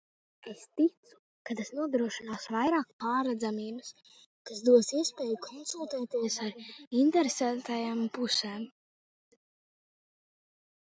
Es ticu, ka tas nodrošinās vairāk pārredzamības, kas dos iespēju konsultēties ar ieinteresētajām pusēm.